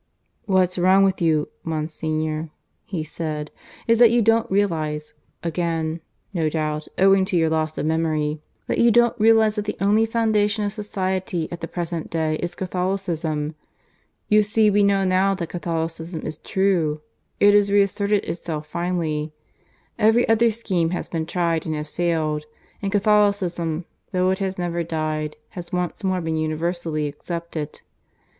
"What's wrong with you, Monsignor," he said, "is that you don't realize again, no doubt, owing to your loss of memory that you don't realize that the only foundation of society at the present day is Catholicism. You see we know now that Catholicism is true. It has reasserted itself finally. Every other scheme has been tried and has failed; and Catholicism, though it has never died, has once more been universally accepted.